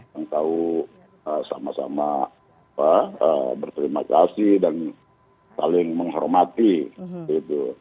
yang tahu sama sama berterima kasih dan saling menghormati gitu